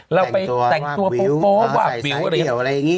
เราไปแต่งตัวโป๊วาบวิวอะไรอย่างนี้